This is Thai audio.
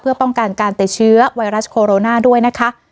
เพื่อป้องกันการติดเชื้อไวรัสโคโรนาด้วยนะคะ